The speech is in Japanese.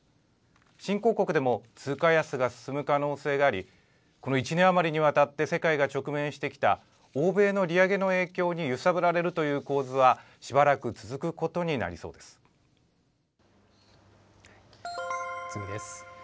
新興国でも、通貨安が進む可能性があり、この１年余りにわたって世界が直面してきた、欧米の利上げの影響に揺さぶられるという構図は、しばらく続くこ次です。